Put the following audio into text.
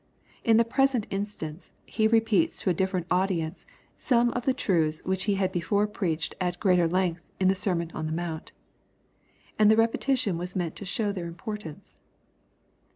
In the present instance He repeats to a differ ent audience some of the truths which He had before preached at greater length in the Sermon on the Mount And the repe tition was meant to show their importance.